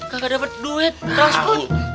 kagak dapet duit transport